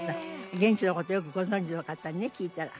現地の事よくご存じの方に聞いたら。